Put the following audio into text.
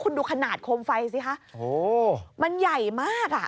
คุณดูขนาดโคมไฟสิคะโอ้โหมันใหญ่มากอ่ะ